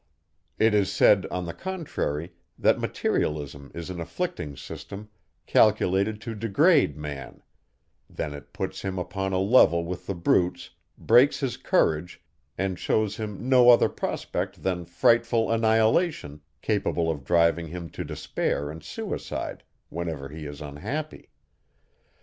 It is said, on the contrary, that materialism is an afflicting system, calculated to degrade man; then it puts him upon a level with the brutes, breaks his courage, and shows him no other prospect than frightful annihilation, capable of driving him to despair and suicide, whenever he is unhappy.